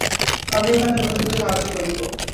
আমিও তাহাকে যথাসাধ্য সাহায্য করিব।